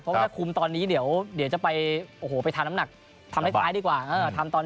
เพราะว่าถ้าคุมตอนนี้เดี๋ยวจะไปทาน